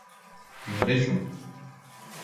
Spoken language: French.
Une région...